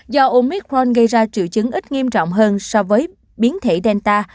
do umicron gây ra triệu chứng ít nghiêm trọng hơn so với biến thể delta